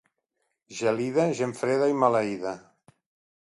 Gelida, gent freda i maleïda.